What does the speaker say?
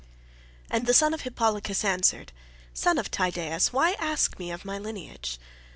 And the son of Hippolochus answered, "Son of Tydeus, why ask me of my lineage?